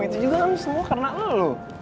itu juga kan semua karena lo loh